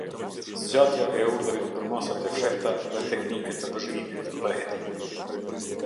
Zgjatja e urdhrit për masat e fshehta dhe teknike të vëzhgimit dhe hetimit.